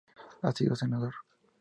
Ha sido senador.